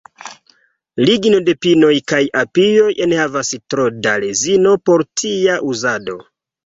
Ligno de pinoj kaj abioj enhavas tro da rezino por tia uzado.